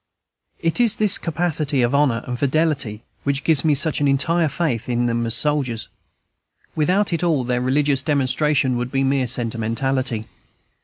It is this capacity of honor and fidelity which gives me such entire faith in them as soldiers. Without it all their religious demonstration would be mere sentimentality.